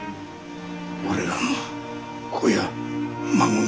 我らの子や孫が。